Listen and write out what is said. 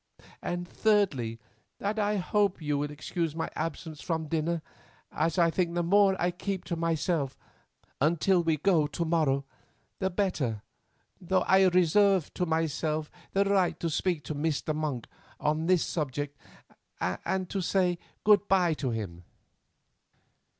And, thirdly, that I hope you will excuse my absence from dinner as I think the more I keep to myself until we go to morrow, the better; though I reserve to myself the right to speak to Mr. Monk on this subject and to say good bye to him."